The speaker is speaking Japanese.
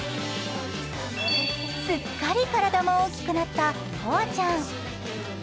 すっかり体も大きくなったほあちゃん。